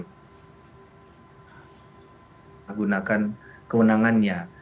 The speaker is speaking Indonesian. mereka akan menggunakan kewenangannya